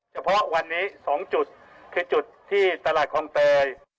เฉพาะวันนี้๒จุดคือจุดที่ตลาดคลองเตย